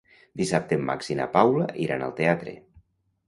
Dissabte en Max i na Paula iran al teatre.